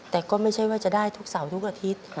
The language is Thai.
แต่ก็ไม่ใช่ว่าจะได้ทุกเสาร์ทุกอาทิตย์